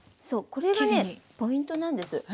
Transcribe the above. そうこれがねポイントなんです。